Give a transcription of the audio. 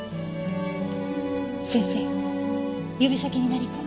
先生指先に何か。